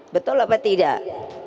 betul apa tidak